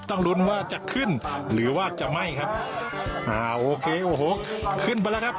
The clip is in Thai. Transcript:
ต้องลุ้นว่าจะขึ้นหรือว่าจะไหม้ครับอ่าโอเคโอ้โหขึ้นไปแล้วครับ